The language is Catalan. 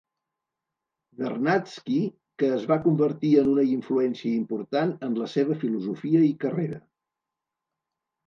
Vernadsky, que es va convertir en una influència important en la seva filosofia i carrera.